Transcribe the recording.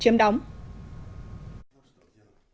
chuyên thông trung quốc